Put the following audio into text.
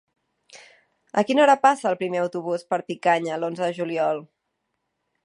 A quina hora passa el primer autobús per Picanya l'onze de juliol?